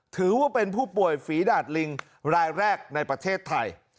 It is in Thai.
ถือว่าเป็นผู้ป่วยฝีดาดลิงรายแรกในประเทศไทย